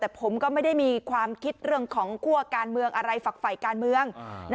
แต่ผมก็ไม่ได้มีความคิดเรื่องของคั่วการเมืองอะไรฝักฝ่ายการเมือง